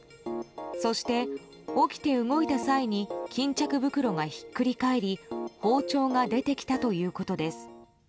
そして、起きて動いた際に巾着袋がひっくり返り包丁が出てきたということです。